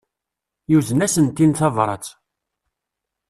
Yuzen-asent-in tabrat.